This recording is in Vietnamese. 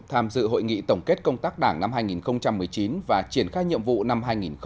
tham dự hội nghị tổng kết công tác đảng năm hai nghìn một mươi chín và triển khai nhiệm vụ năm hai nghìn hai mươi